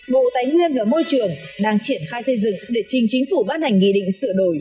bộ tài nguyên và môi trường đang triển khai xây dựng để trình chính phủ bát hành nghị định sửa đổi